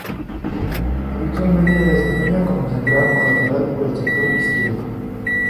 Habitualmente se desempeña como central o lateral por el sector izquierdo.